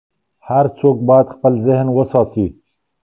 هر څوک باید خپل ذهن وساتي.